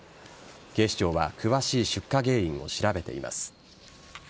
警視庁は詳しい出火原因を調べています。